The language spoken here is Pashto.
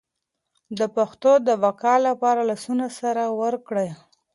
د پښتو د بقا لپاره لاسونه سره ورکړئ.